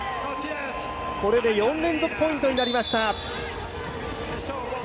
これで４連続ポイントになりました